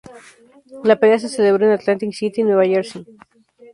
La pelea se celebró en Atlantic City, Nueva Jersey.